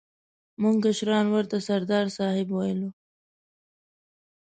موږ کشرانو ورته سردار صاحب ویلو.